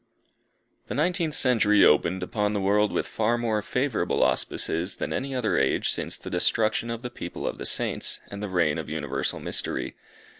The nineteenth century opened upon the world with far more favourable auspices than any other age since the destruction of the people of the Saints, and the reign of universal mystery.